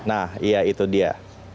nah iya itu dia